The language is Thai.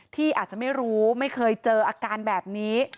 ที่อาจจะไม่รู้ไม่เคยเจออาการแบบนี้